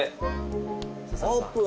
オープン！